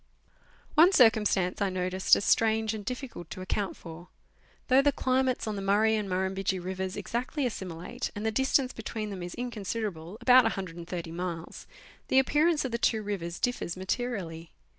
241 One circumstance I noticed as strange and difficult to account for. Though the climates on the Murray and Muirumbidgee rivers exactly assimilate, and the distance between them is inconsiderable about 130 miles the appearance of the two rivers differs materially.